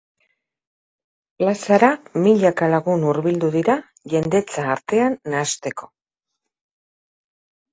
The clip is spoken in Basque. Plazara milaka lagun hurbildu dira jendetza artean nahasteko.